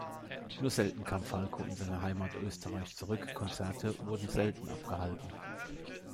Nur selten kam Falco in seine Heimat Österreich zurück, Konzerte wurden selten abgehalten.